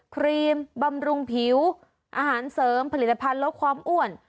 ครีมบำรุงผิวอาหารเสริมผลิตภัณฑ์ลดความอ้วน